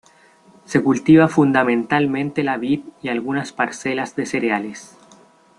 Se cultiva fundamentalmente la vid y algunas parcelas de cereales.